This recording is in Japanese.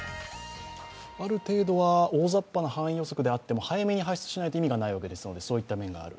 ある程度は大雑把な範囲予測であっても早めに発出しないと意味がないわけですので、そういった面がある。